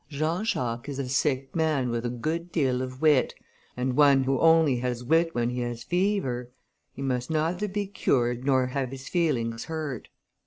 Jean Jacques is a sick man with a good deal of wit, and one who only has wit when he has fever; he must neither be cured nor have his feelings hurt."